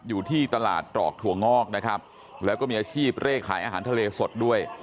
อยู่ที่ตลาดตรอกถั่วงอกนะครับแล้วก็มีอาชีพเลขขายอาหารทะเลสดด้วย